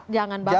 jangan banget ya